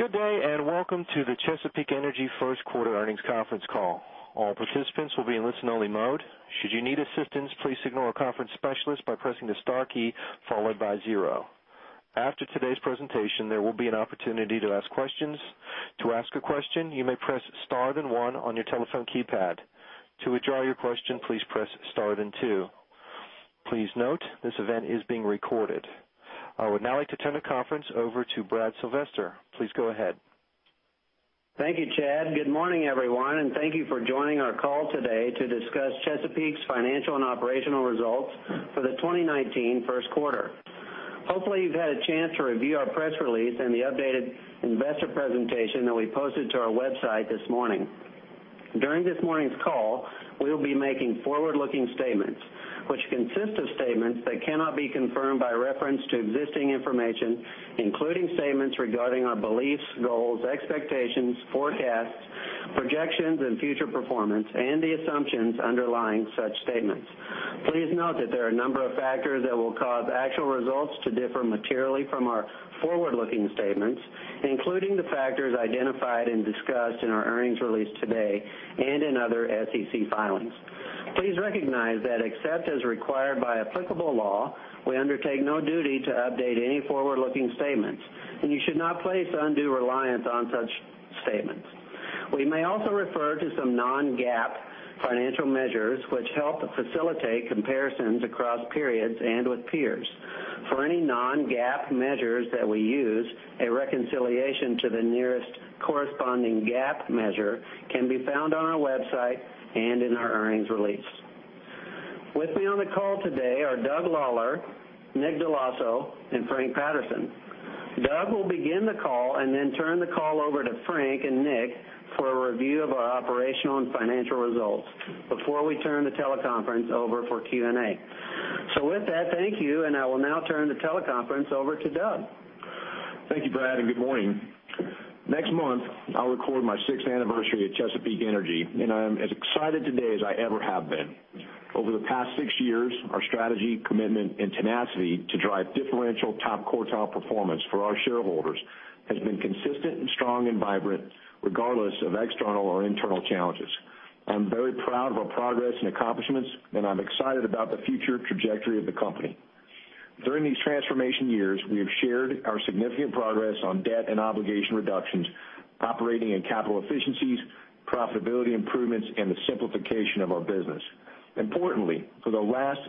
Good day, welcome to the Chesapeake Energy first quarter earnings conference call. All participants will be in listen only mode. Should you need assistance, please signal our conference specialist by pressing the star key followed by 0. After today's presentation, there will be an opportunity to ask questions. To ask a question, you may press star then 1 on your telephone keypad. To withdraw your question, please press star then 2. Please note, this event is being recorded. I would now like to turn the conference over to Brad Sylvester. Please go ahead. Thank you, Chad. Good morning, everyone, thank you for joining our call today to discuss Chesapeake's financial and operational results for the 2019 first quarter. Hopefully, you've had a chance to review our press release and the updated investor presentation that we posted to our website this morning. During this morning's call, we will be making forward-looking statements, which consist of statements that cannot be confirmed by reference to existing information, including statements regarding our beliefs, goals, expectations, forecasts, projections and future performance, the assumptions underlying such statements. Please note that there are a number of factors that will cause actual results to differ materially from our forward-looking statements, including the factors identified and discussed in our earnings release today and in other SEC filings. Please recognize that except as required by applicable law, we undertake no duty to update any forward-looking statements, you should not place undue reliance on such statements. We may also refer to some non-GAAP financial measures, which help facilitate comparisons across periods and with peers. For any non-GAAP measures that we use, a reconciliation to the nearest corresponding GAAP measure can be found on our website and in our earnings release. With me on the call today are Doug Lawler, Nick Dell'Osso, Frank Patterson. Doug will begin the call then turn the call over to Frank and Nick for a review of our operational and financial results before we turn the teleconference over for Q&A. With that, thank you, I will now turn the teleconference over to Doug. Thank you, Brad, good morning. Next month, I'll record my sixth anniversary at Chesapeake Energy, I am as excited today as I ever have been. Over the past six years, our strategy, commitment, tenacity to drive differential top quartile performance for our shareholders has been consistent, strong, vibrant, regardless of external or internal challenges. I'm very proud of our progress, accomplishments, I'm excited about the future trajectory of the company. During these transformation years, we have shared our significant progress on debt, obligation reductions, operating, capital efficiencies, profitability improvements, the simplification of our business. Importantly, for the last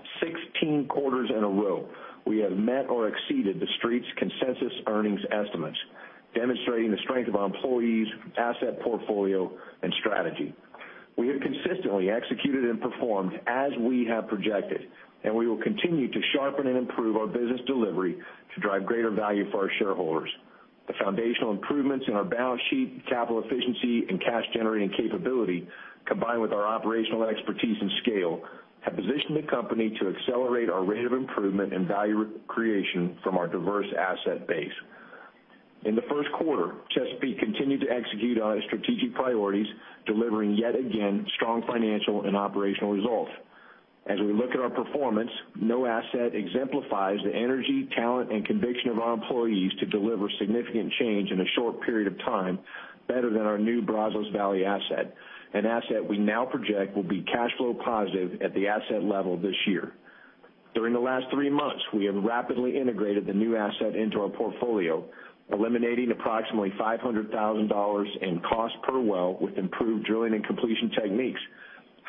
16 quarters in a row, we have met or exceeded the street's consensus earnings estimates, demonstrating the strength of our employees, asset portfolio, strategy. We have consistently executed and performed as we have projected, and we will continue to sharpen and improve our business delivery to drive greater value for our shareholders. The foundational improvements in our balance sheet, capital efficiency, and cash-generating capability, combined with our operational expertise and scale, have positioned the company to accelerate our rate of improvement and value creation from our diverse asset base. In the first quarter, Chesapeake continued to execute on its strategic priorities, delivering yet again strong financial and operational results. As we look at our performance, no asset exemplifies the energy, talent, and conviction of our employees to deliver significant change in a short period of time better than our new Brazos Valley asset, an asset we now project will be cash flow positive at the asset level this year. During the last three months, we have rapidly integrated the new asset into our portfolio, eliminating approximately $500,000 in cost per well with improved drilling and completion techniques,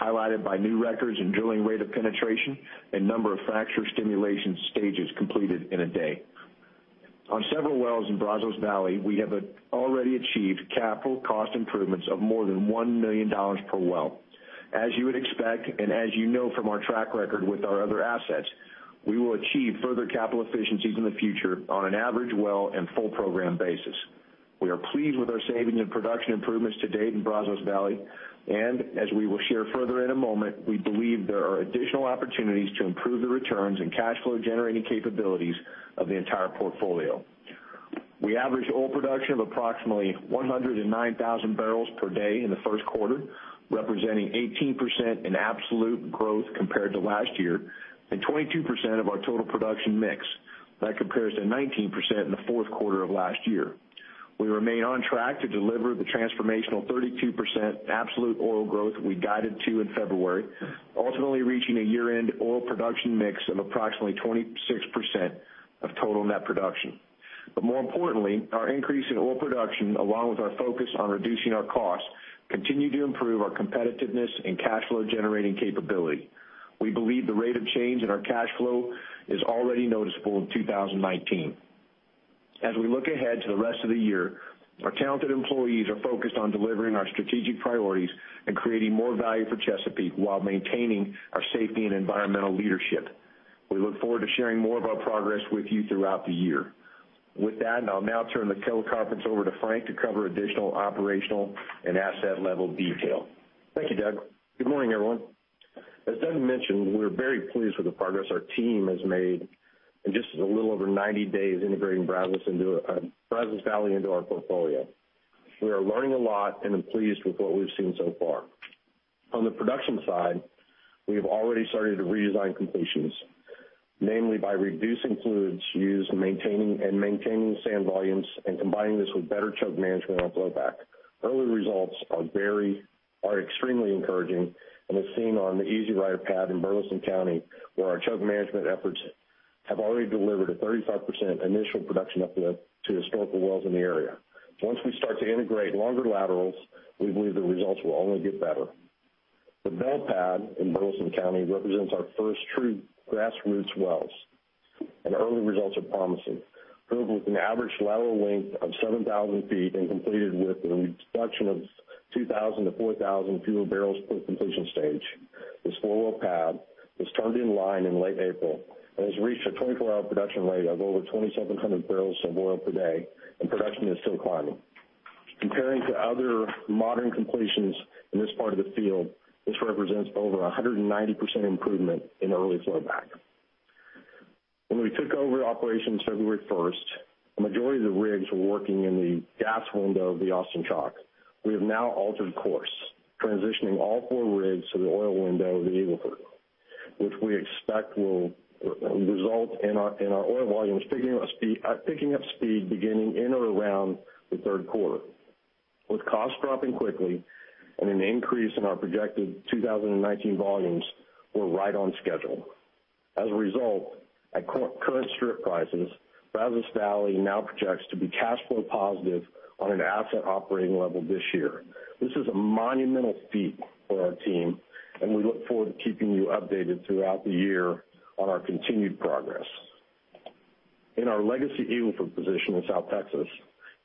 highlighted by new records in drilling rate of penetration and number of fracture stimulation stages completed in a day. On several wells in Brazos Valley, we have already achieved capital cost improvements of more than $1 million per well. As you would expect, and as you know from our track record with our other assets, we will achieve further capital efficiencies in the future on an average well and full program basis. We are pleased with our savings and production improvements to date in Brazos Valley, and as we will share further in a moment, we believe there are additional opportunities to improve the returns and cash flow generating capabilities of the entire portfolio. We averaged oil production of approximately 109,000 barrels per day in the first quarter, representing 18% in absolute growth compared to last year and 22% of our total production mix. That compares to 19% in the fourth quarter of last year. We remain on track to deliver the transformational 32% absolute oil growth we guided to in February, ultimately reaching a year-end oil production mix of approximately 26% of total net production. More importantly, our increase in oil production, along with our focus on reducing our costs, continue to improve our competitiveness and cash flow generating capability. We believe the rate of change in our cash flow is already noticeable in 2019. As we look ahead to the rest of the year, our talented employees are focused on delivering our strategic priorities and creating more value for Chesapeake while maintaining our safety and environmental leadership. We look forward to sharing more of our progress with you throughout the year. With that, I'll now turn the teleconference over to Frank to cover additional operational and asset level detail. Thank you, Doug. Good morning, everyone. As Doug mentioned, we're very pleased with the progress our team has made in just a little over 90 days integrating Brazos Valley into our portfolio We are learning a lot. I'm pleased with what we've seen so far. On the production side, we have already started to redesign completions, namely by reducing fluids used and maintaining sand volumes combining this with better choke management on flowback. Early results are extremely encouraging as seen on the Easy Rider pad in Burleson County, where our choke management efforts have already delivered a 35% initial production uplift to historical wells in the area. Once we start to integrate longer laterals, we believe the results will only get better. The Bell pad in Burleson County represents our first true grassroots wells, and early results are promising. Filled with an average lateral length of 7,000 feet and completed with a reduction of 2,000 to 4,000 fewer barrels per completion stage. This four-well pad was turned in line in late April and has reached a 24-hour production rate of over 2,700 barrels of oil per day. Production is still climbing. Comparing to other modern completions in this part of the field, this represents over 190% improvement in early flowback. When we took over operations February 1st, a majority of the rigs were working in the gas window of the Austin Chalk. We have now altered course, transitioning all four rigs to the oil window of the Eagle Ford, which we expect will result in our oil volumes picking up speed beginning in or around the third quarter. With costs dropping quickly and an increase in our projected 2019 volumes, we're right on schedule. As a result, at current strip prices, Brazos Valley now projects to be cash flow positive on an asset operating level this year. This is a monumental feat for our team. We look forward to keeping you updated throughout the year on our continued progress. In our legacy Eagle Ford position in South Texas,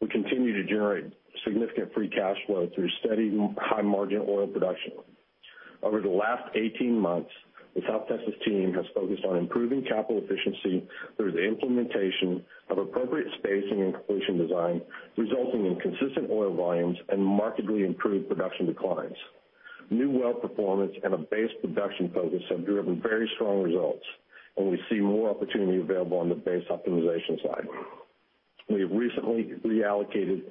we continue to generate significant free cash flow through steady high-margin oil production. Over the last 18 months, the South Texas team has focused on improving capital efficiency through the implementation of appropriate spacing and completion design, resulting in consistent oil volumes and markedly improved production declines. New well performance and a base production focus have driven very strong results. We see more opportunity available on the base optimization side. We have recently reallocated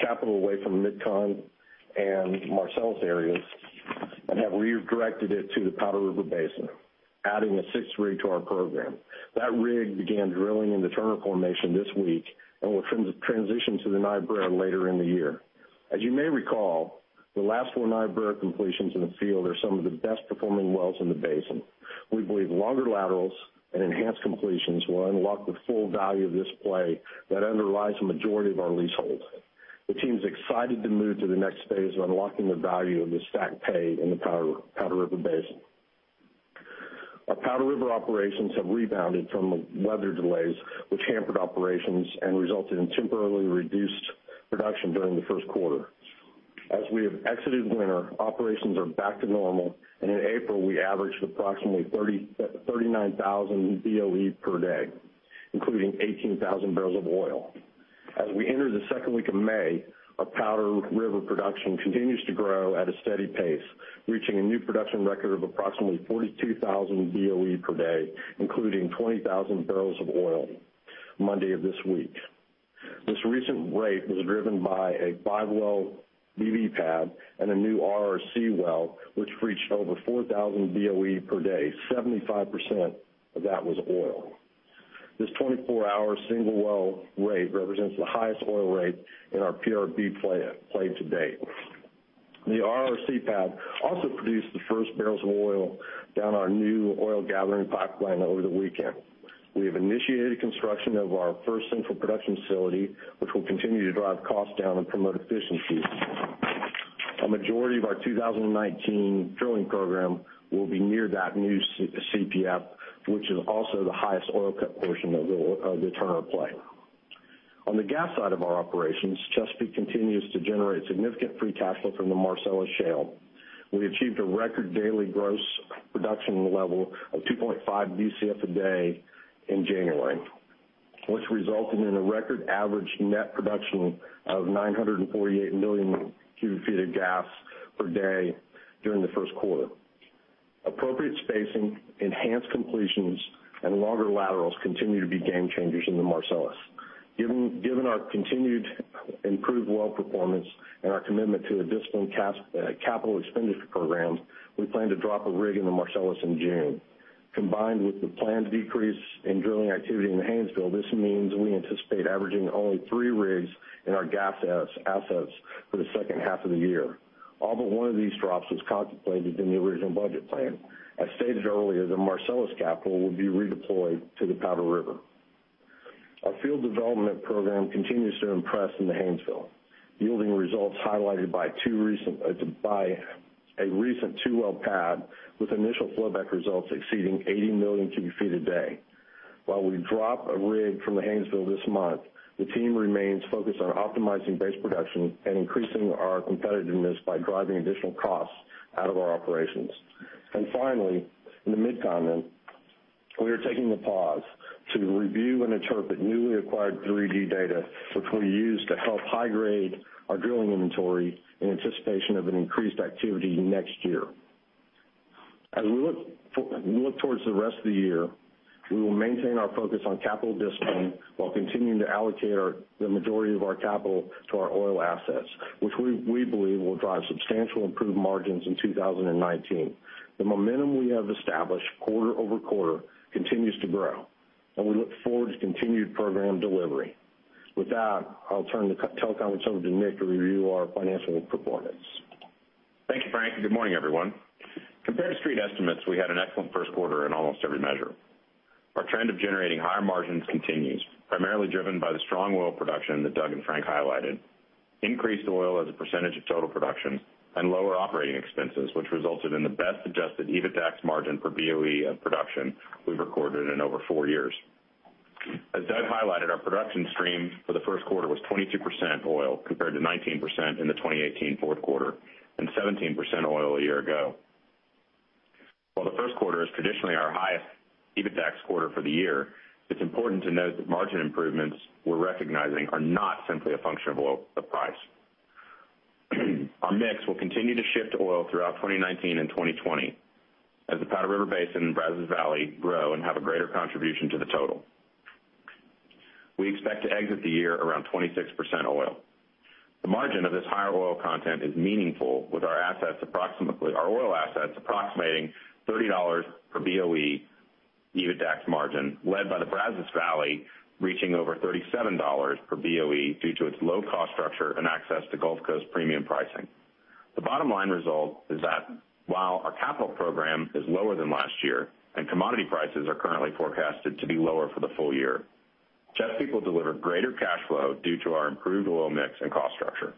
capital away from the Mid-Con and Marcellus areas and have redirected it to the Powder River Basin, adding a sixth rig to our program. That rig began drilling in the Turner Formation this week and will transition to the Niobrara later in the year. As you may recall, the last four Niobrara completions in the field are some of the best-performing wells in the basin. We believe longer laterals and enhanced completions will unlock the full value of this play that underlies the majority of our leaseholds. The team's excited to move to the next phase of unlocking the value of the stacked pay in the Powder River Basin. Our Powder River operations have rebounded from the weather delays, which hampered operations and resulted in temporarily reduced production during the first quarter. As we have exited winter, operations are back to normal, and in April, we averaged approximately 39,000 BOE per day, including 18,000 barrels of oil. As we enter the second week of May, our Powder River production continues to grow at a steady pace, reaching a new production record of approximately 42,000 BOE per day, including 20,000 barrels of oil Monday of this week. This recent rate was driven by a five-well DV pad and a new RRC well, which reached over 4,000 BOE per day, 75% of that was oil. This 24-hour single-well rate represents the highest oil rate in our PRB play to date. The RRC pad also produced the first barrels of oil down our new oil gathering pipeline over the weekend. We have initiated construction of our first central production facility, which will continue to drive costs down and promote efficiency. A majority of our 2019 drilling program will be near that new CPF, which is also the highest oil cut portion of the Turner play. On the gas side of our operations, Chesapeake continues to generate significant free cash flow from the Marcellus Shale. We achieved a record daily gross production level of 2.5 Bcf a day in January, which resulted in a record average net production of 948 million cubic feet of gas per day during the first quarter. Appropriate spacing, enhanced completions, and longer laterals continue to be game-changers in the Marcellus. Given our continued improved well performance and our commitment to a disciplined capital expenditure program, we plan to drop a rig in the Marcellus in June. Combined with the planned decrease in drilling activity in the Haynesville, this means we anticipate averaging only three rigs in our gas assets for the second half of the year. All but one of these drops was contemplated in the original budget plan. I stated earlier that Marcellus capital will be redeployed to the Powder River. Our field development program continues to impress in the Haynesville, yielding results highlighted by a recent two-well pad with initial flowback results exceeding 80 million cubic feet a day. Finally, in the Mid-Continent, we are taking a pause to review and interpret newly acquired 3D data, which we'll use to help high-grade our drilling inventory in anticipation of an increased activity next year. As we look towards the rest of the year, we will maintain our focus on capital discipline while continuing to allocate the majority of our capital to our oil assets, which we believe will drive substantial improved margins in 2019. The momentum we have established quarter-over-quarter continues to grow. We look forward to continued program delivery. With that, I'll turn the telecom over to Nick to review our financial performance. Thank you, Frank. Good morning, everyone. Compared to street estimates, we had an excellent first quarter in almost every measure. Our trend of generating higher margins continues, primarily driven by the strong oil production that Doug and Frank highlighted. Increased oil as a percentage of total production and lower operating expenses, which resulted in the best adjusted EBITDAX margin for BOE of production we've recorded in over four years. As Doug highlighted, our production stream for the first quarter was 22% oil compared to 19% in the 2018 fourth quarter and 17% oil a year ago. While the first quarter is traditionally our highest EBITDAX quarter for the year, it's important to note that margin improvements we're recognizing are not simply a function of oil price. Our mix will continue to shift to oil throughout 2019 and 2020 as the Powder River Basin and Brazos Valley grow and have a greater contribution to the total. We expect to exit the year around 26% oil. The margin of this higher oil content is meaningful with our oil assets approximating $30 per BOE EBITDAX margin, led by the Brazos Valley reaching over $37 per BOE due to its low-cost structure and access to Gulf Coast premium pricing. The bottom line result is that while our capital program is lower than last year and commodity prices are currently forecasted to be lower for the full year, Chesapeake will deliver greater cash flow due to our improved oil mix and cost structure.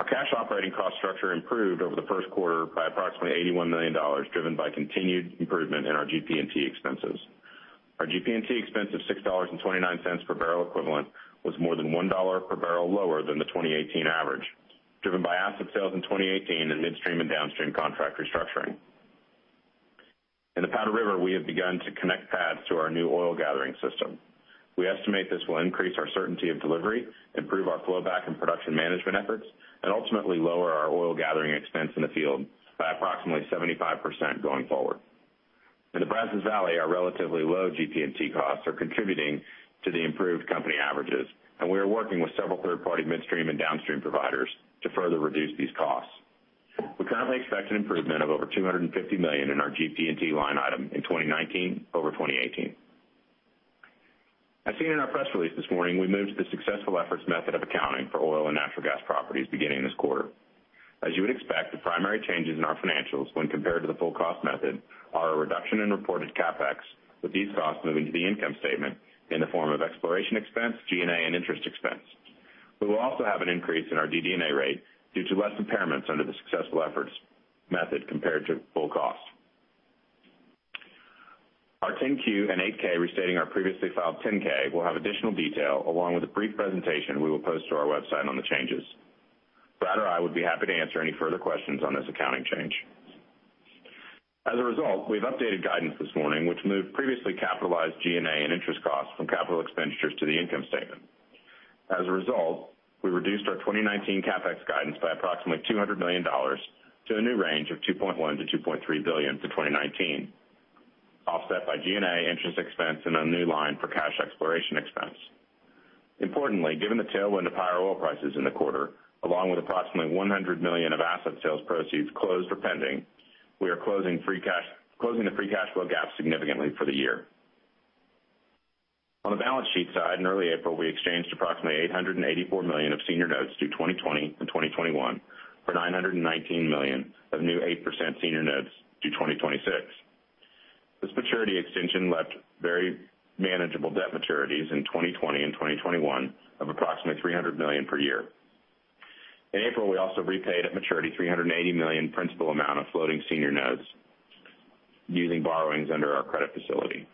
Our cash operating cost structure improved over the first quarter by approximately $81 million, driven by continued improvement in our GP&T expenses. Our GP&T expense of $6.29 per barrel equivalent was more than $1 per barrel lower than the 2018 average, driven by asset sales in 2018 and midstream and downstream contract restructuring. In the Powder River, we have begun to connect pads to our new oil gathering system. We estimate this will increase our certainty of delivery, improve our flow back and production management efforts, and ultimately lower our oil gathering expense in the field by approximately 75% going forward. In the Brazos Valley, our relatively low GP&T costs are contributing to the improved company averages. We are working with several third-party midstream and downstream providers to further reduce these costs. We currently expect an improvement of over $250 million in our GP&T line item in 2019 over 2018. As seen in our press release this morning, we moved to the successful efforts method of accounting for oil and natural gas properties beginning this quarter. As you would expect, the primary changes in our financials when compared to the full cost method are a reduction in reported CapEx, with these costs moving to the income statement in the form of exploration expense, G&A, and interest expense. We will also have an increase in our DD&A rate due to less impairments under the successful efforts method compared to full cost. Our 10-Q and 8-K restating our previously filed 10-K will have additional detail along with a brief presentation we will post to our website on the changes. Brad or I would be happy to answer any further questions on this accounting change. We've updated guidance this morning, which moved previously capitalized G&A and interest costs from capital expenditures to the income statement. We reduced our 2019 CapEx guidance by approximately $200 million to a new range of $2.1 billion-$2.3 billion for 2019, offset by G&A interest expense and a new line for cash exploration expense. Importantly, given the tailwind of higher oil prices in the quarter, along with approximately $100 million of asset sales proceeds closed or pending, we are closing the free cash flow gap significantly for the year. On the balance sheet side, in early April, we exchanged approximately $884 million of senior notes due 2020 and 2021 for $919 million of new 8% senior notes due 2026. This maturity extension left very manageable debt maturities in 2020 and 2021 of approximately $300 million per year. In April, we also repaid at maturity $380 million principal amount of floating senior notes using borrowings under our credit facility.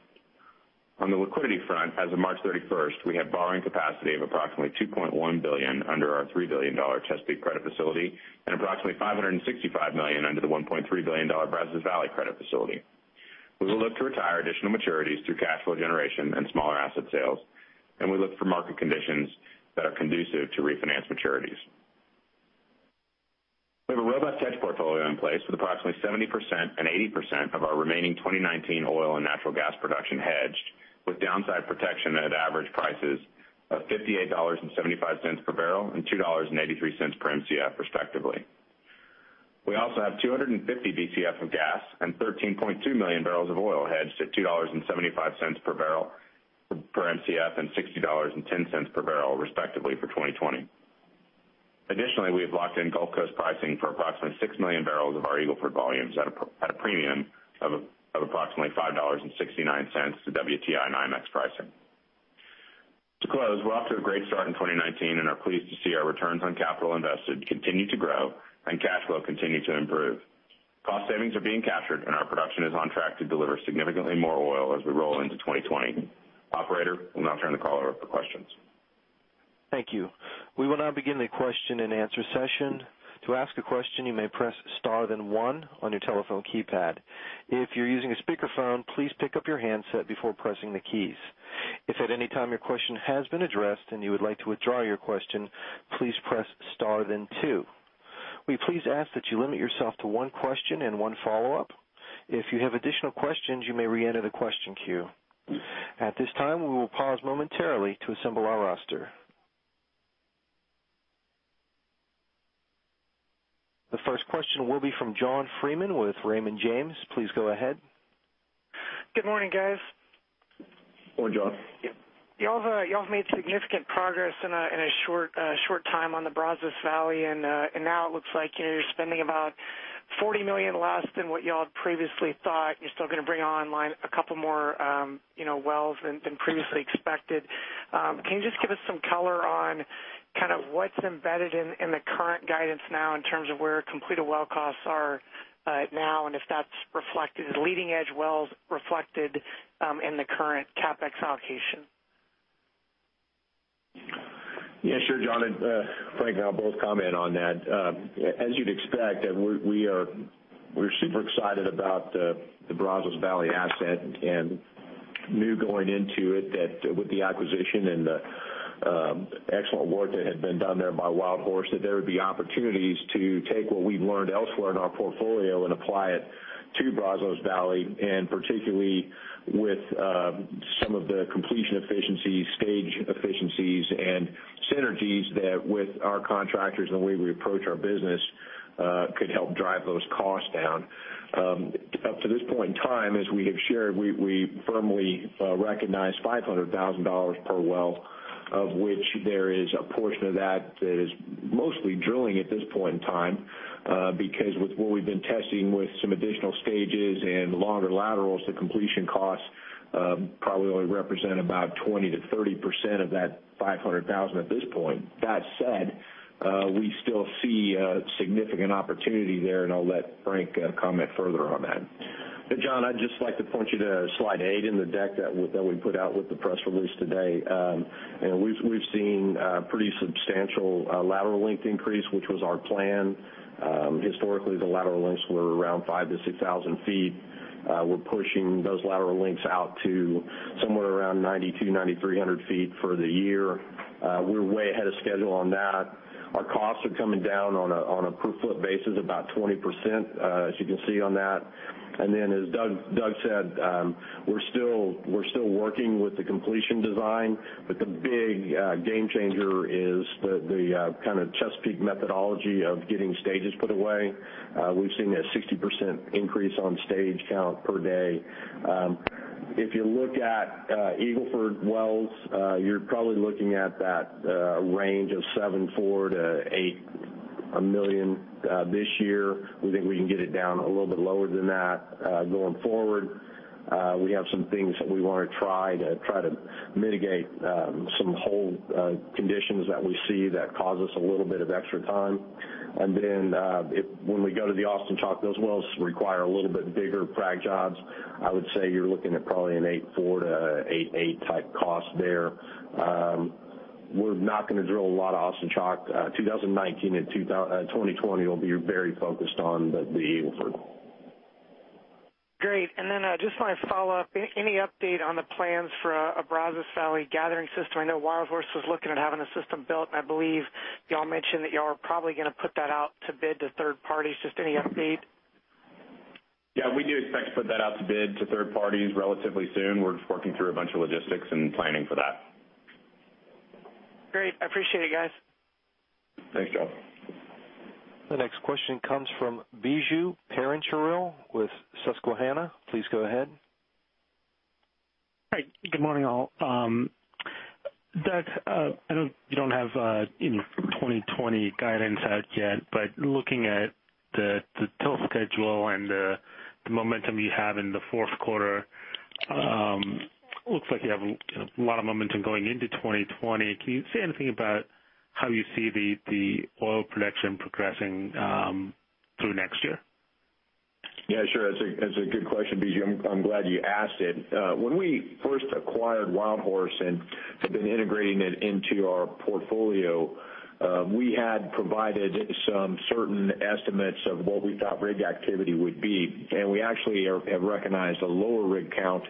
On the liquidity front, as of March 31st, we had borrowing capacity of approximately $2.1 billion under our $3 billion Chesapeake credit facility and approximately $565 million under the $1.3 billion Brazos Valley credit facility. We will look to retire additional maturities through cash flow generation and smaller asset sales. We look for market conditions that are conducive to refinance maturities. We have a robust hedge portfolio in place with approximately 70% and 80% of our remaining 2019 oil and natural gas production hedged, with downside protection at average prices of $58.75 per barrel and $2.83 per Mcf respectively. We also have 250 Bcf of gas and 13.2 million barrels of oil hedged at $2.75 per Mcf and $60.10 per barrel respectively for 2020. Additionally, we have locked in Gulf Coast pricing for approximately six million barrels of our Eagle Ford volumes at a premium of approximately $5.69 to WTI and LLS pricing. To close, we're off to a great start in 2019 and are pleased to see our returns on capital invested continue to grow and cash flow continue to improve. Cost savings are being captured. Our production is on track to deliver significantly more oil as we roll into 2020. Operator, we'll now turn the call over for questions. Thank you. We will now begin the question and answer session. To ask a question, you may press star then one on your telephone keypad. If you're using a speakerphone, please pick up your handset before pressing the keys. If at any time your question has been addressed and you would like to withdraw your question, please press star, then two. We please ask that you limit yourself to one question and one follow-up. If you have additional questions, you may re-enter the question queue. At this time, we will pause momentarily to assemble our roster. The first question will be from John Freeman with Raymond James. Please go ahead. Good morning, guys. Morning, John. You all have made significant progress in a short time on the Brazos Valley, now it looks like you're spending about $40 million less than what you all previously thought. You're still going to bring online a couple more wells than previously expected. Can you just give us some color on what's embedded in the current guidance now in terms of where completed well costs are now, and if that's reflected, leading-edge wells reflected in the current CapEx allocation? Yeah, sure, John. Frank and I will both comment on that. As you'd expect, we're super excited about the Brazos Valley asset and knew going into it that with the acquisition and the excellent work that had been done there by WildHorse, that there would be opportunities to take what we've learned elsewhere in our portfolio and apply it to Brazos Valley, and particularly with some of the completion efficiencies, stage efficiencies, and synergies that with our contractors and the way we approach our business could help drive those costs down. Up to this point in time, as we have shared, we firmly recognize $500,000 per well, of which there is a portion of that that is mostly drilling at this point in time. With what we've been testing with some additional stages and longer laterals, the completion costs probably only represent about 20%-30% of that $500,000 at this point. That said, we still see a significant opportunity there, and I'll let Frank comment further on that. John, I'd just like to point you to slide eight in the deck that we put out with the press release today. We've seen a pretty substantial lateral length increase, which was our plan. Historically, the lateral lengths were around 5,000-6,000 feet. We're pushing those lateral lengths out to somewhere around 9,200-9,300 feet for the year. We're way ahead of schedule on that. Our costs are coming down on a per-foot basis about 20%, as you can see on that. As Doug said, we're still working with the completion design, but the big game changer is the kind of Chesapeake methodology of getting stages put away. We've seen a 60% increase on stage count per day. If you look at Eagle Ford wells, you're probably looking at that range of $7.4 million-$8 million this year. We think we can get it down a little bit lower than that going forward. We have some things that we want to try to mitigate some hole conditions that we see that cause us a little bit of extra time. When we go to the Austin Chalk, those wells require a little bit bigger frac jobs. I would say you're looking at probably an $8.4 million-$8.8 million type cost there. We're not going to drill a lot of Austin Chalk. 2019 and 2020 will be very focused on the Eagle Ford. Great. Just want to follow up. Any update on the plans for a Brazos Valley gathering system? I know WildHorse was looking at having a system built, and I believe you all mentioned that you all are probably going to put that out to bid to third parties. Just any update? Yeah, we do expect to put that out to bid to third parties relatively soon. We're just working through a bunch of logistics and planning for that. Great. I appreciate it, guys. Thanks, John. The next question comes Biju Perincheril with Susquehanna. Please go ahead. Hi. Good morning, all. Doug, I know you don't have any 2020 guidance out yet, looking at the tilt schedule and the momentum you have in the fourth quarter, looks like you have a lot of momentum going into 2020. Can you say anything about how you see the oil production progressing through next year? Yeah, sure. That's a good question, Biju. I'm glad you asked it. When we first acquired WildHorse and have been integrating it into our portfolio, we had provided some certain estimates of what we thought rig activity would be, and we actually have recognized a lower rig count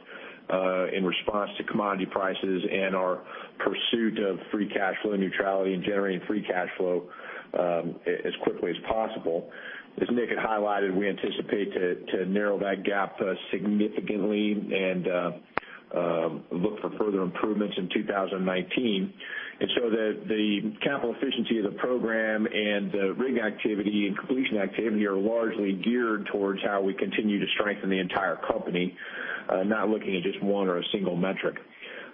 in response to commodity prices and our pursuit of free cash flow neutrality and generating free cash flow as quickly as possible. As Nick had highlighted, we anticipate to narrow that gap significantly and look for further improvements in 2019. The capital efficiency of the program and the rig activity and completion activity are largely geared towards how we continue to strengthen the entire company, not looking at just one or a single metric.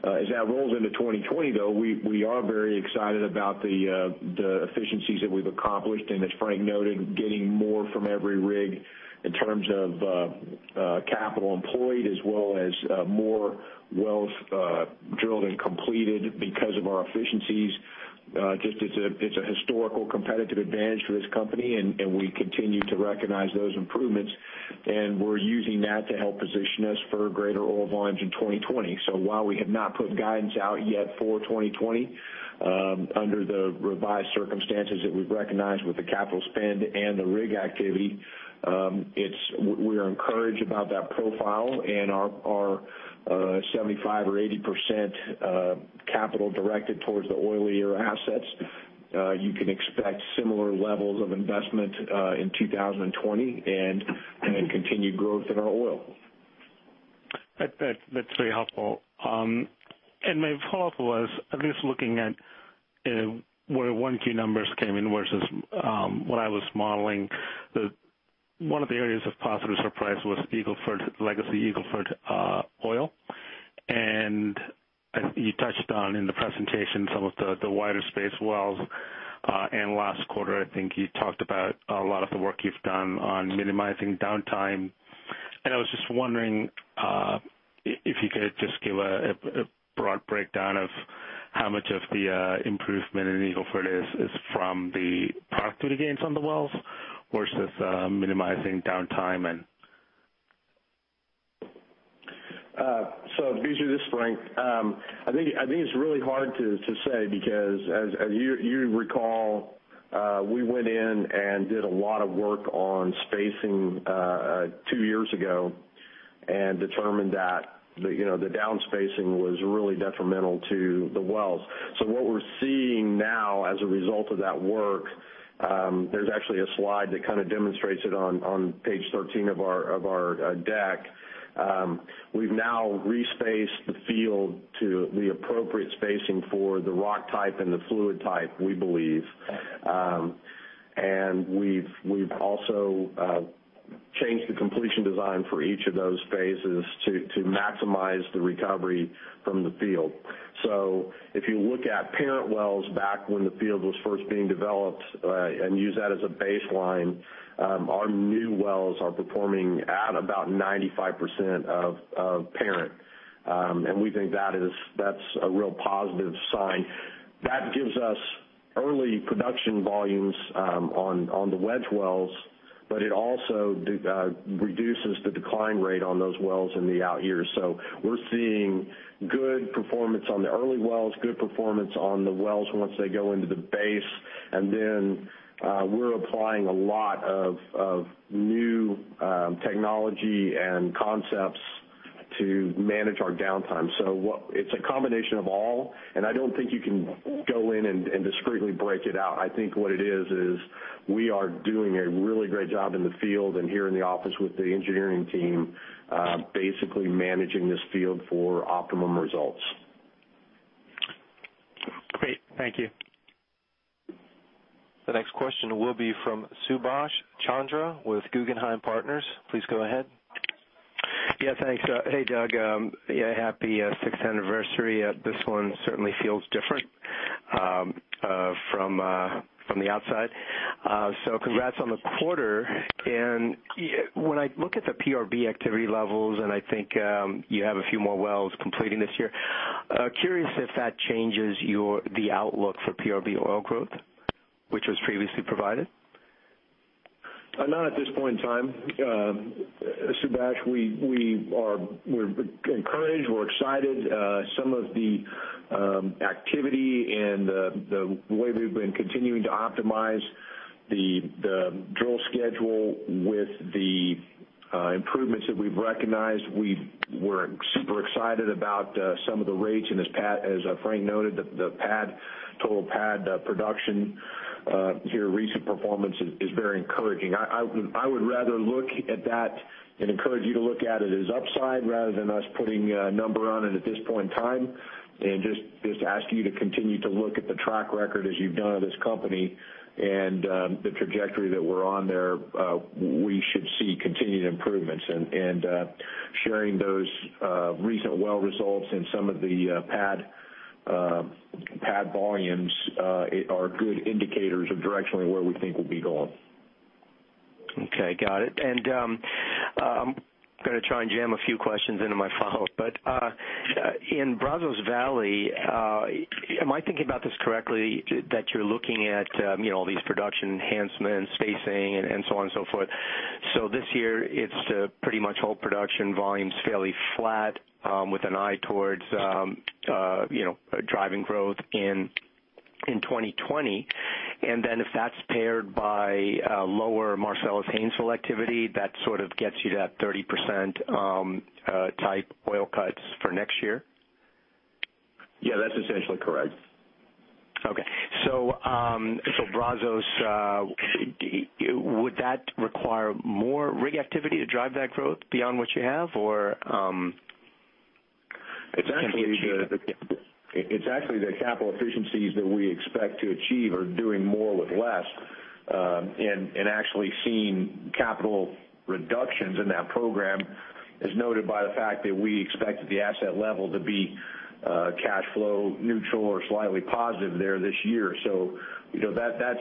As that rolls into 2020, though, we are very excited about the efficiencies that we've accomplished, and as Frank noted, getting more from every rig in terms of capital employed, as well as more wells drilled and completed because of our efficiencies. Just it's a historical competitive advantage for this company, and we continue to recognize those improvements, and we're using that to help position us for greater oil volumes in 2020. While we have not put guidance out yet for 2020 Under the revised circumstances that we've recognized with the capital spend and the rig activity, we're encouraged about that profile and our 75% or 80% capital directed towards the oilier assets. You can expect similar levels of investment in 2020 and then continued growth in our oil. That's very helpful. My follow-up was, at least looking at where 1Q numbers came in versus what I was modeling, one of the areas of positive surprise was legacy Eagle Ford oil. You touched on, in the presentation, some of the wider space wells. Last quarter, I think you talked about a lot of the work you've done on minimizing downtime, I was just wondering if you could just give a broad breakdown of how much of the improvement in Eagle Ford is from the productivity gains on the wells versus minimizing downtime and Biju, this is Frank. I think it's really hard to say because as you recall, we went in and did a lot of work on spacing two years ago and determined that the down-spacing was really detrimental to the wells. What we're seeing now as a result of that work, there's actually a slide that kind of demonstrates it on page 13 of our deck. We've now re-spaced the field to the appropriate spacing for the rock type and the fluid type, we believe. We've also changed the completion design for each of those phases to maximize the recovery from the field. If you look at parent wells back when the field was first being developed and use that as a baseline, our new wells are performing at about 95% of parent. We think that's a real positive sign. That gives us early production volumes on the wedge wells, it also reduces the decline rate on those wells in the out years. We're seeing good performance on the early wells, good performance on the wells once they go into the base. Then we're applying a lot of new technology and concepts to manage our downtime. It's a combination of all, I don't think you can go in and discretely break it out. I think what it is we are doing a really great job in the field and here in the office with the engineering team, basically managing this field for optimum results. Great. Thank you. The next question will be from Subash Chandra with Guggenheim Partners. Please go ahead. Yeah, thanks. Hey, Doug. Happy sixth anniversary. This one certainly feels different from the outside. Congrats on the quarter. When I look at the PRB activity levels, and I think you have a few more wells completing this year, curious if that changes the outlook for PRB oil growth, which was previously provided? Not at this point in time. Subash, we're encouraged, we're excited. Some of the activity and the way we've been continuing to optimize the drill schedule with the improvements that we've recognized. We're super excited about some of the rates, and as Frank noted, the total pad production here, recent performance is very encouraging. I would rather look at that and encourage you to look at it as upside rather than us putting a number on it at this point in time, and just asking you to continue to look at the track record as you've done of this company and the trajectory that we're on there. We should see continued improvements. Sharing those recent well results and some of the pad volumes are good indicators of directionally where we think we'll be going. I'm going to try and jam a few questions into my follow-up. In Brazos Valley, am I thinking about this correctly that you're looking at all these production enhancements, spacing, and so on and so forth. This year, it's pretty much whole production volumes fairly flat, with an eye towards driving growth in 2020. If that's paired by lower Marcellus/Haynesville activity, that sort of gets you to that 30% type oil cuts for next year? Yeah, that's essentially correct. Okay. Brazos, would that require more rig activity to drive that growth beyond what you have or It's actually the capital efficiencies that we expect to achieve or doing more with less, and actually seeing capital reductions in that program, as noted by the fact that we expect the asset level to be cash flow neutral or slightly positive there this year. That's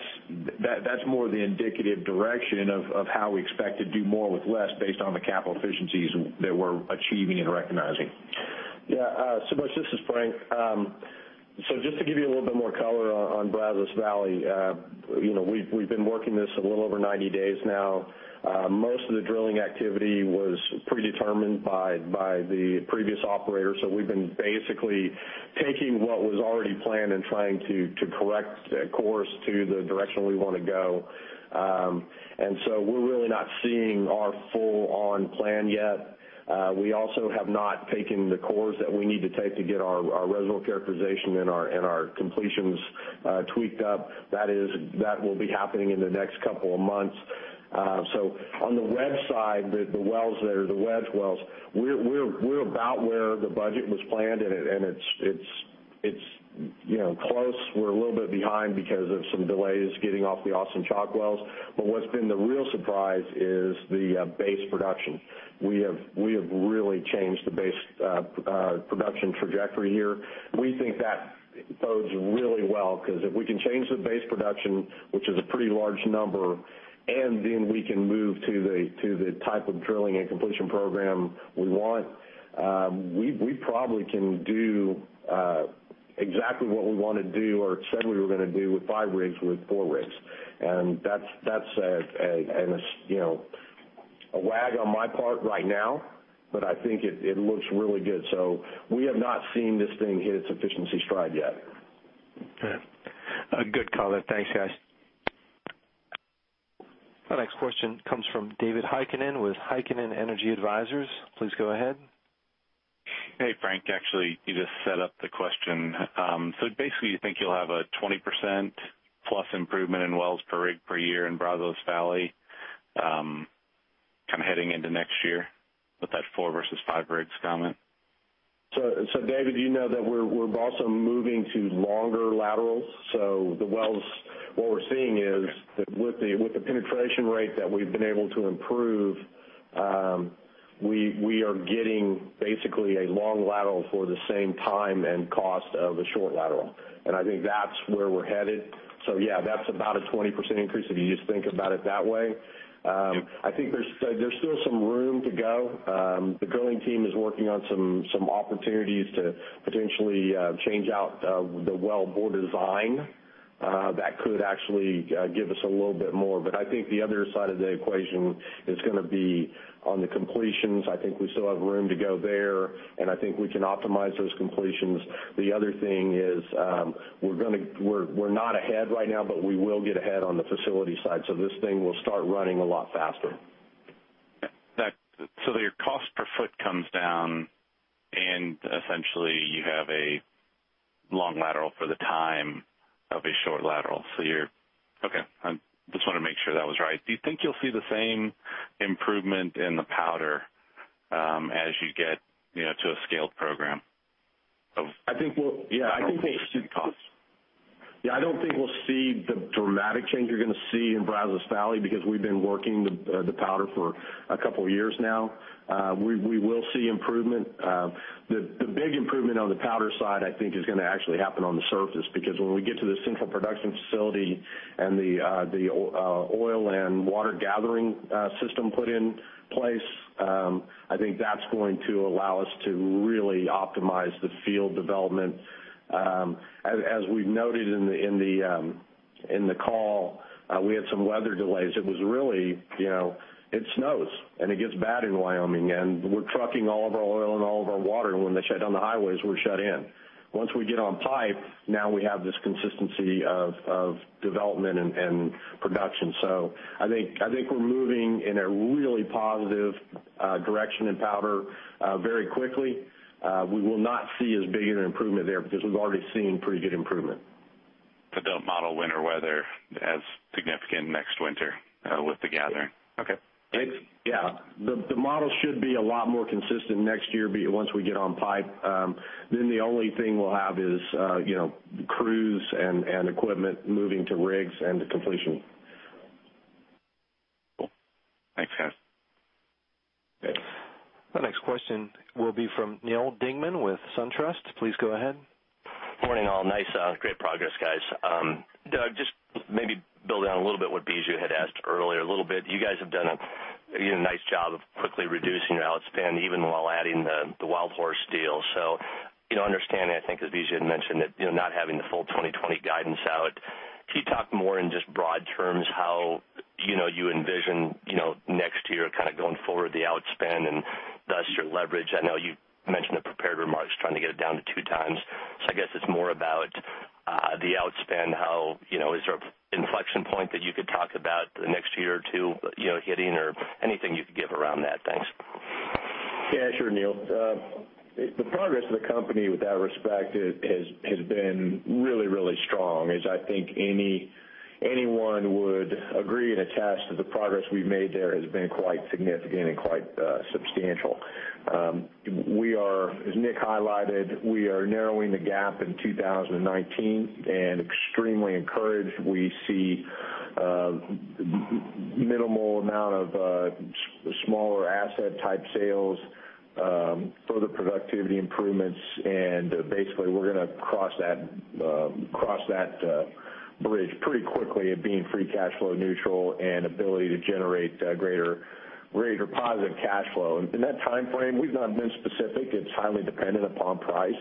more the indicative direction of how we expect to do more with less based on the capital efficiencies that we're achieving and recognizing. Yeah. Subash, this is Frank. Just to give you a little bit more color on Brazos Valley, we've been working this a little over 90 days now. Most of the drilling activity was predetermined by the previous operator. We've been basically taking what was already planned and trying to correct course to the direction we want to go. We're really not seeing our full on plan yet. We also have not taken the course that we need to take to get our reservoir characterization and our completions tweaked up. That will be happening in the next couple of months. On the wedge side, the wells that are the wedge wells, we're about where the budget was planned, and it's close. We're a little bit behind because of some delays getting off the Austin Chalk wells. What's been the real surprise is the base production. We have really changed the base production trajectory here. We think that bodes really well, because if we can change the base production, which is a pretty large number, and then we can move to the type of drilling and completion program we want, we probably can do exactly what we want to do or said we were going to do with 5 rigs, with 4 rigs. That's a wag on my part right now, but I think it looks really good. We have not seen this thing hit its efficiency stride yet. Okay. Good call it. Thanks, guys. The next question comes from David Heikkinen with Heikkinen Energy Advisors. Please go ahead. Hey, Frank. Actually, you just set up the question. Basically, you think you'll have a 20%+ improvement in wells per rig per year in Brazos Valley, kind of heading into next year with that four versus five rigs comment? David, you know that we're also moving to longer laterals. The wells, what we're seeing is that with the penetration rate that we've been able to improve, we are getting basically a long lateral for the same time and cost of a short lateral. I think that's where we're headed. Yeah, that's about a 20% increase if you just think about it that way. I think there's still some room to go. The drilling team is working on some opportunities to potentially change out the well bore design. That could actually give us a little bit more. I think the other side of the equation is going to be on the completions. I think we still have room to go there, and I think we can optimize those completions. The other thing is, we're not ahead right now, but we will get ahead on the facility side. This thing will start running a lot faster. Your cost per foot comes down, and essentially, you have a long lateral for the time of a short lateral. Okay. I just want to make sure that was right. Do you think you'll see the same improvement in the Powder as you get to a scaled program of? I think we'll cost? Yeah, I don't think we'll see the dramatic change you're going to see in Brazos Valley because we've been working the Powder for a couple of years now. We will see improvement. The big improvement on the Powder side, I think, is going to actually happen on the surface, because when we get to the central production facility and the oil and water gathering system put in place, I think that's going to allow us to really optimize the field development. As we've noted in the call, we had some weather delays. It snows, and it gets bad in Wyoming, and we're trucking all of our oil and all of our water, and when they shut down the highways, we're shut in. Once we get on pipe, now we have this consistency of development and production. I think we're moving in a really positive direction in Powder very quickly. We will not see as big an improvement there because we've already seen pretty good improvement. Don't model winter weather as significant next winter with the gathering? Okay. Yeah. The model should be a lot more consistent next year once we get on pipe. The only thing we'll have is crews and equipment moving to rigs and to completion. Cool. Thanks, guys. The next question will be from Neal Dingmann with SunTrust. Please go ahead. Morning, all. Nice. Great progress, guys. Doug, just maybe building on a little bit what Biju had asked earlier a little bit. You guys have done a nice job of quickly reducing your outspend, even while adding the WildHorse deal. Understanding, I think as Biju mentioned, that not having the full 2020 guidance out, can you talk more in just broad terms how you envision next year kind of going forward, the outspend and thus your leverage? I know you mentioned the prepared remarks, trying to get it down to two times. I guess it's more about the outspend. Is there an inflection point that you could talk about the next year or two hitting or anything you could give around that? Thanks. Sure, Neal. The progress of the company with that respect has been really, really strong. As I think anyone would agree and attach to the progress we've made there has been quite significant and quite substantial. As Nick highlighted, we are narrowing the gap in 2019 and extremely encouraged. We see a minimal amount of smaller asset type sales, further productivity improvements, and basically, we're going to cross that Bridge pretty quickly at being free cash flow neutral and ability to generate greater positive cash flow. In that time frame, we've not been specific. It's highly dependent upon price.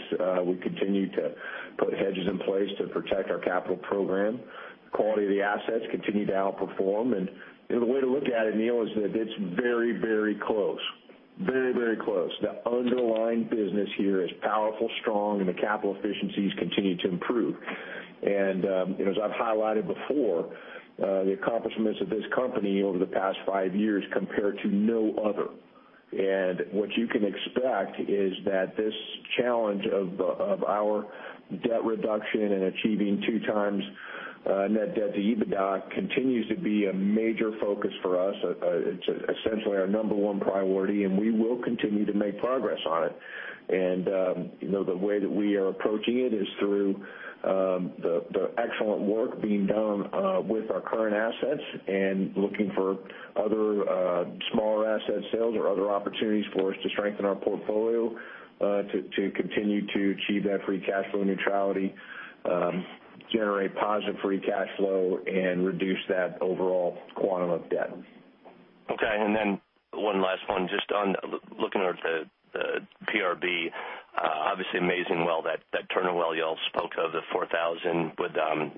We continue to put hedges in place to protect our capital program. The quality of the assets continue to outperform, and the way to look at it, Neal, is that it's very close. Very close. The underlying business here is powerfully strong, and the capital efficiencies continue to improve. As I've highlighted before, the accomplishments of this company over the past five years compare to no other. What you can expect is that this challenge of our debt reduction and achieving 2 times net debt to EBITDAX continues to be a major focus for us. It's essentially our number one priority, and we will continue to make progress on it. The way that we are approaching it is through the excellent work being done with our current assets and looking for other smaller asset sales or other opportunities for us to strengthen our portfolio to continue to achieve that free cash flow neutrality, generate positive free cash flow and reduce that overall quantum of debt. One last one just on looking over at the PRB. Obviously amazing well, that Turner well you all spoke of, the 4,000 with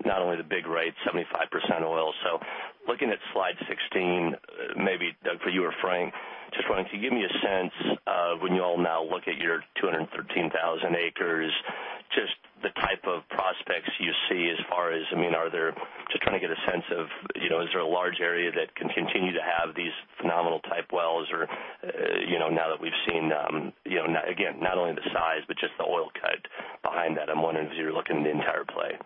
not only the big rates, 75% oil. Looking at slide 16, maybe Doug, for you or Frank, just wondering, can you give me a sense of when you all now look at your 213,000 acres, just the type of prospects you see as far as, just trying to get a sense of, is there a large area that can continue to have these phenomenal type wells or now that we've seen, again, not only the size, but just the oil cut behind that. I'm wondering as you're looking at the entire play.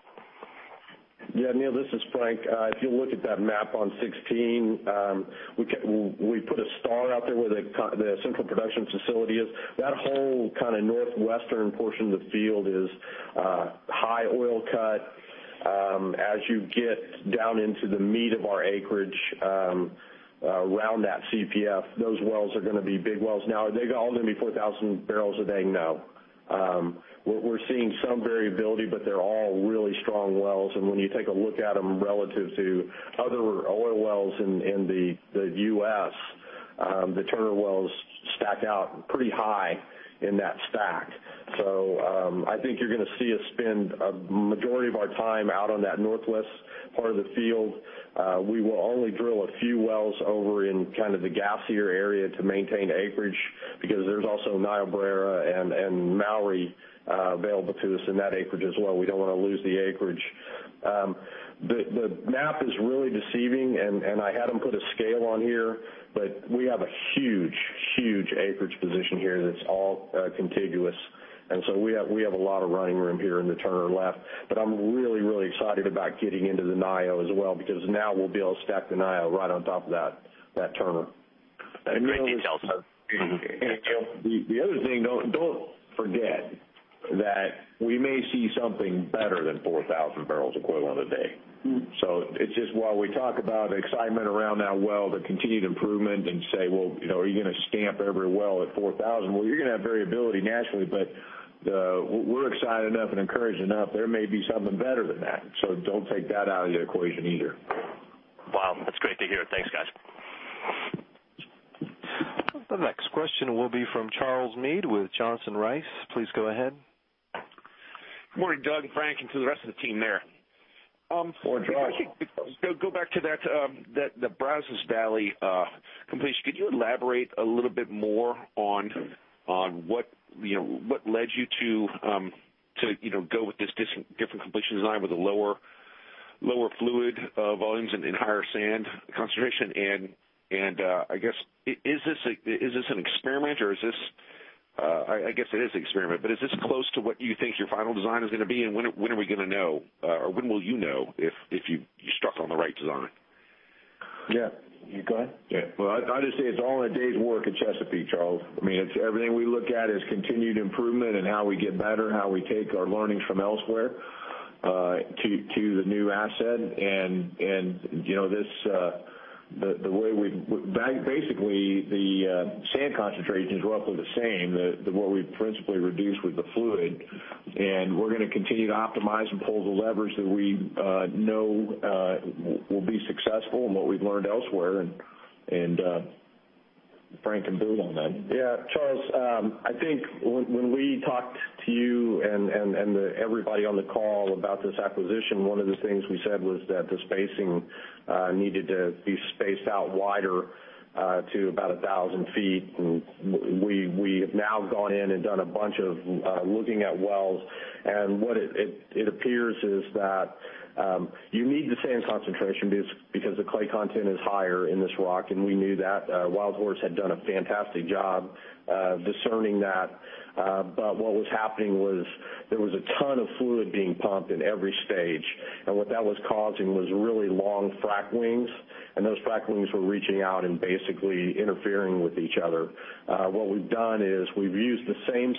Yeah, Neal, this is Frank. If you look at that map on 16, we put a star out there where the central production facility is. That whole northwestern portion of the field is high oil cut. As you get down into the meat of our acreage around that CPF, those wells are going to be big wells. Now, are they all going to be 4,000 barrels a day? No. We're seeing some variability, but they're all really strong wells, and when you take a look at them relative to other oil wells in the U.S., the Turner wells stack out pretty high in that stack. I think you're going to see us spend a majority of our time out on that northwest part of the field. We will only drill a few wells over in the gassier area to maintain acreage, because there's also Niobrara and Mowry available to us in that acreage as well. We don't want to lose the acreage. The map is really deceiving, and I had them put a scale on here, but we have a huge acreage position here that's all contiguous. We have a lot of running room here in the Turner left. I'm really excited about getting into the Nio as well, because now we'll be able to stack the Nio right on top of that Turner. That's a great detail. The other thing, don't forget that we may see something better than 4,000 barrels equivalent a day. It's just while we talk about excitement around that well, the continued improvement and say, "Well, are you going to stamp every well at 4,000?" You're going to have variability naturally, but we're excited enough and encouraged enough, there may be something better than that. Don't take that out of the equation either. Wow, that's great to hear. Thanks, guys. The next question will be from Charles Meade with Johnson Rice. Please go ahead. Morning, Doug, Frank, and to the rest of the team there. Morning, Charles. If I could go back to that Brazos Valley completion. Could you elaborate a little bit more on what led you to go with this different completion design with the lower fluid volumes and higher sand concentration? Is this an experiment or is this close to what you think your final design is going to be and when are we going to know? When will you know if you struck on the right design? You go ahead. Well, I just say it's all in a day's work at Chesapeake, Charles. Everything we look at is continued improvement in how we get better, how we take our learnings from elsewhere to the new asset. Basically, the sand concentrations are roughly the same. What we've principally reduced with the fluid, and we're going to continue to optimize and pull the levers that we know will be successful and what we've learned elsewhere. Frank can build on that. Charles, I think when we talked to you and everybody on the call about this acquisition, one of the things we said was that the spacing needed to be spaced out wider to about 1,000 feet. We have now gone in and done a bunch of looking at wells, what it appears is that you need the sand concentration because the clay content is higher in this rock, we knew that. WildHorse had done a fantastic job discerning that. What was happening was there was a ton of fluid being pumped in every stage. What that was causing was really long frack wings, those frack wings were reaching out and basically interfering with each other. What we've done is we've used the same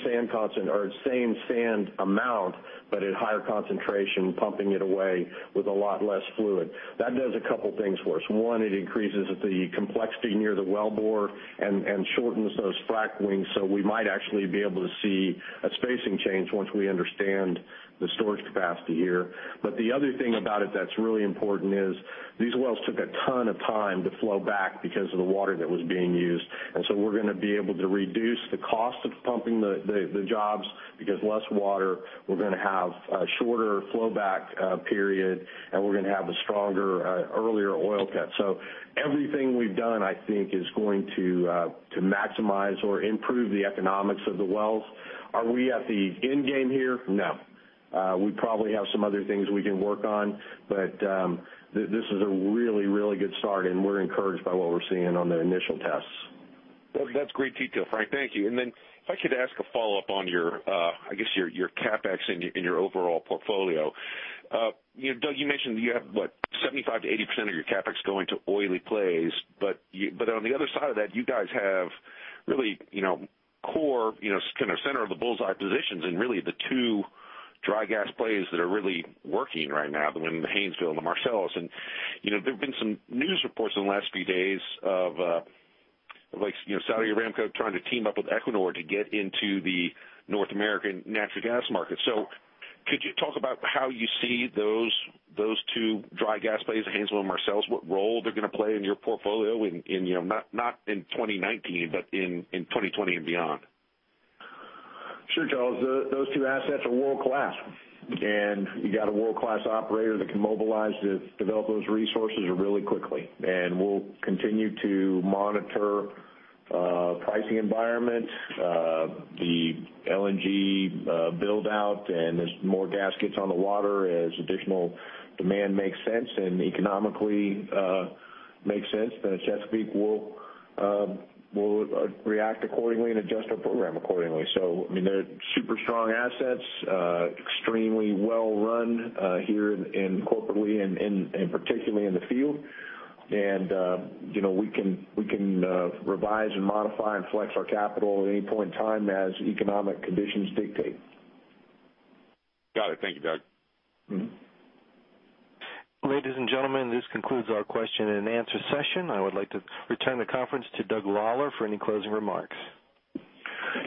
sand amount, but at higher concentration, pumping it away with a lot less fluid. That does a couple things for us. It increases the complexity near the wellbore and shortens those frack wings. We might actually be able to see a spacing change once we understand the storage capacity here. The other thing about it that's really important is these wells took a ton of time to flow back because of the water that was being used. We're going to be able to reduce the cost of pumping the jobs because less water. We're going to have a shorter flow back period, and we're going to have a stronger, earlier oil cut. Everything we've done, I think, is going to maximize or improve the economics of the wells. Are we at the endgame here? No. We probably have some other things we can work on, but this is a really good start, and we're encouraged by what we're seeing on the initial tests. That's great detail, Frank. Thank you. If I could ask a follow-up on your CapEx in your overall portfolio. Doug, you mentioned that you have, what, 75%-80% of your CapEx going to oily plays. On the other side of that, you guys have really core, kind of center of the bull's eye positions in really the two dry gas plays that are really working right now, the Haynesville and the Marcellus. There've been some news reports in the last few days of Saudi Aramco trying to team up with Equinor to get into the North American natural gas market. Could you talk about how you see those two dry gas plays, the Haynesville and Marcellus? What role they're going to play in your portfolio, not in 2019, but in 2020 and beyond? Sure, Charles. Those two assets are world-class. You got a world-class operator that can mobilize to develop those resources really quickly. We'll continue to monitor pricing environment, the LNG build-out. As more gas gets on the water, as additional demand makes sense, economically makes sense, Chesapeake will react accordingly and adjust our program accordingly. They're super strong assets. Extremely well run here corporately and particularly in the field. We can revise and modify and flex our capital at any point in time as economic conditions dictate. Got it. Thank you, Doug. Ladies and gentlemen, this concludes our question-and-answer session. I would like to return the conference to Doug Lawler for any closing remarks.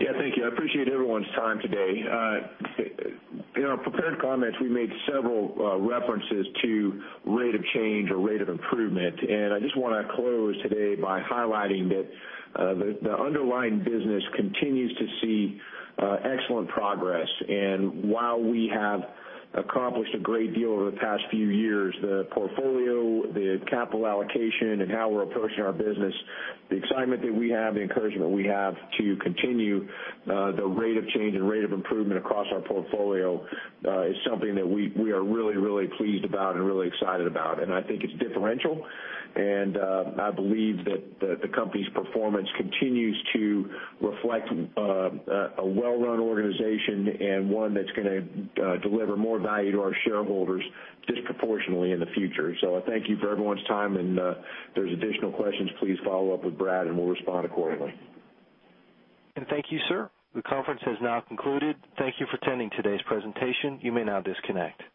Yeah, thank you. I appreciate everyone's time today. In our prepared comments, we made several references to rate of change or rate of improvement. I just want to close today by highlighting that the underlying business continues to see excellent progress. While we have accomplished a great deal over the past few years, the portfolio, the capital allocation, and how we're approaching our business, the excitement that we have, the encouragement we have to continue the rate of change and rate of improvement across our portfolio is something that we are really pleased about and really excited about. I think it's differential. I believe that the company's performance continues to reflect a well-run organization and one that's going to deliver more value to our shareholders disproportionately in the future. I thank you for everyone's time, and if there's additional questions, please follow up with Brad, and we'll respond accordingly. Thank you, sir. The conference has now concluded. Thank you for attending today's presentation. You may now disconnect.